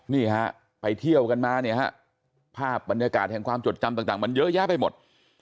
นี่ฮะไปเที่ยวกันมาเนี่ยฮะภาพบรรยากาศแห่งความจดจำต่างมันเยอะแยะไปหมด